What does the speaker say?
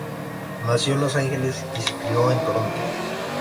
Nació en Los Ángeles y se crio en Toronto.